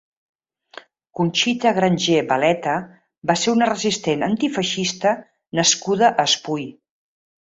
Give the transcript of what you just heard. Conxita Grangé Beleta va ser una resistent antifeixista nascuda a Espui.